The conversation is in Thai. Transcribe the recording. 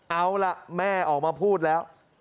เอาล่ะแม่ออกมาพูดแล้ว